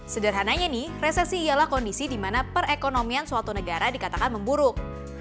sederhananya nih resesi ialah kondisi di mana perekonomian suatu negara dikatakan memburuk